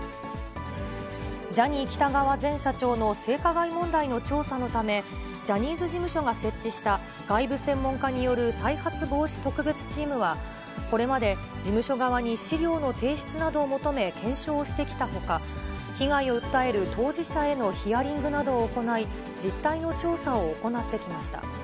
ジャニー喜多川前社長の性加害問題の調査のためジャニーズ事務所が設置した外部専門家による再発防止特別チームはこれまで事務所側に資料の提出などを求め、検証してきたほか、被害を訴える当事者へのヒアリングなどを行い、実態の調査を行ってきました。